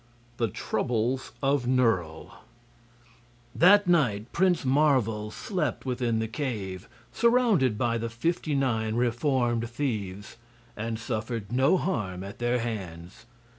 The Troubles of Nerle That night Prince Marvel slept within the cave, surrounded by the fifty nine reformed thieves, and suffered no harm at their hands.